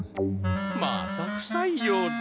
またふさいようだ。